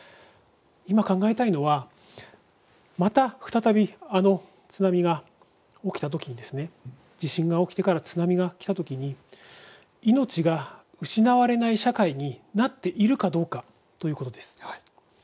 今考えたいのはまた再びあの津波が起きたときに地震が起きてから津波が来たときに命が失われない社会になっているかどうかということです。